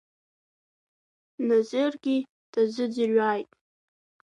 Назыргьы дазыӡырҩааит.